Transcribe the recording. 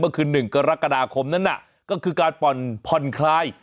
ก็คือ๑กรกฎาคมนั้นน่ะก็คือการผ่อนผ่อนคลาย